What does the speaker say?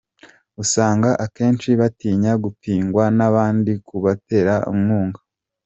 Usanga akenshi batinya gupiganwa n’abandi ku baterankunga.